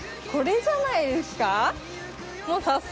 これじゃないですか？